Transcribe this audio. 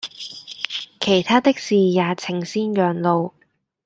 其他的事也請先讓路